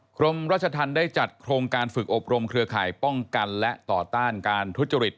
กรมราชธรรมได้จัดโครงการฝึกอบรมเครือข่ายป้องกันและต่อต้านการทุจริต